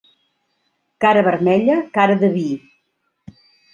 Cara vermella, cara de vi.